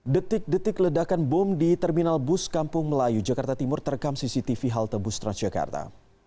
detik detik ledakan bom di terminal bus kampung melayu jakarta timur terekam cctv halte bus transjakarta